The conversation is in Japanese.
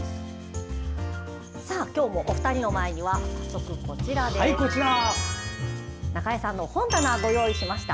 今日もお二人の前には中江さんの本棚をご用意しました。